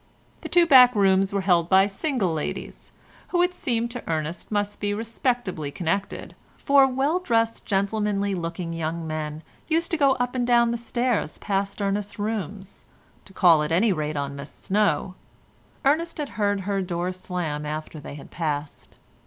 The two back rooms were held by single ladies, who it seemed to Ernest must be respectably connected, for well dressed gentlemanly looking young men used to go up and down stairs past Ernest's rooms to call at any rate on Miss Snow—Ernest had heard her door slam after they had passed.